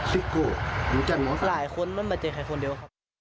หลายคนมันมาเจอใครคนเดียว